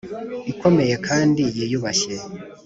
ikomeye kandi yiyubashye